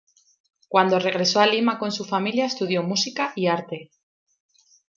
Cuando regresó a Lima con su familia estudió música y arte.